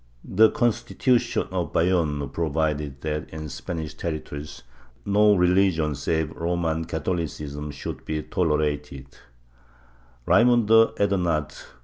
The Constitu tion of Bayonne provided that, in Spanish territories, no religion save Roman Catholicism should be tolerated, Raimundo Ethe nard.